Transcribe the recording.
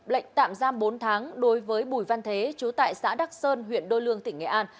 lệnh tạm giam bốn tháng đối với bùi văn thế chú tại xã đắc sơn huyện đô lương tỉnh nghệ an